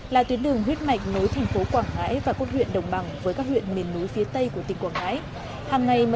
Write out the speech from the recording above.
là tuyến đường huyết mạch nối thành phố quảng ngãi và các huyện đồng bằng với các huyện miền núi phía tây của tỉnh quảng ngãi